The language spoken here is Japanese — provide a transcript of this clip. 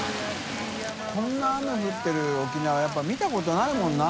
海鵑扮降ってる沖縄やっぱ見たことないもんな。